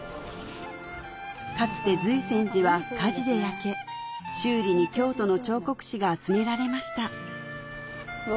かつて瑞泉寺は火事で焼け修理に京都の彫刻師が集められましたうわ